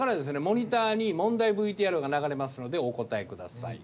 モニターに問題ＶＴＲが流れますのでお答え下さい。